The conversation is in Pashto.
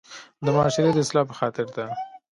د معاشري د اصلاح پۀ خاطر ده